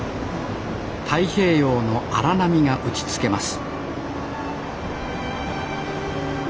太平洋の荒波が打ちつけます